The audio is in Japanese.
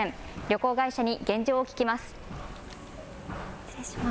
旅行会社に現状を聞きます。